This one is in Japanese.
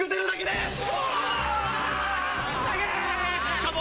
しかも。